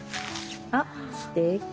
あっすてき。